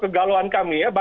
k weapon dan pj lainnya